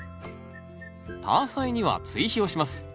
タアサイには追肥をします。